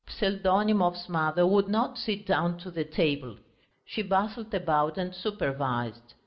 Pseldonimov's mother would not sit down to the table; she bustled about and supervised.